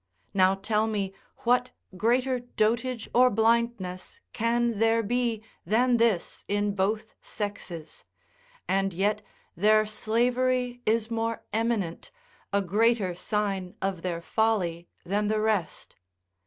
Now tell me what greater dotage or blindness can there be than this in both sexes? and yet their slavery is more eminent, a greater sign of their folly than the rest.